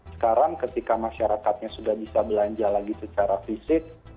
sekarang ketika masyarakatnya sudah bisa belanja lagi secara fisik